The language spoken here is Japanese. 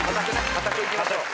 堅くいきましょう。